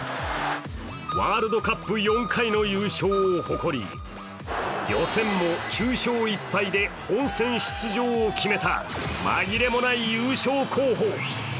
ワールドカップ４回の優勝を誇り、予選も９勝１敗で本戦出場を決めた紛れもない優勝候補。